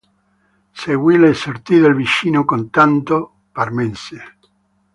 Seguì le sorti del vicino contado parmense.